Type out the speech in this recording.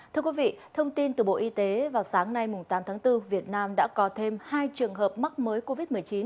thưa quý vị thông tin từ bộ y tế vào sáng nay tám tháng bốn việt nam đã có thêm hai trường hợp mắc mới covid một mươi chín